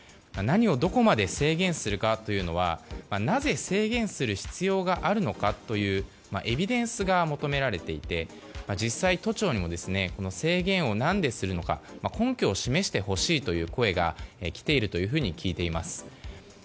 何をどこまで制限するかはなぜ、制限する必要があるのかというエビデンスが求められていて実際、都庁にも制限をなぜするのか根拠を示してほしいという声が来ているというふうに聞いています。